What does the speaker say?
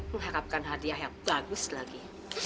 mengharapkan hadiah yang bagus lagi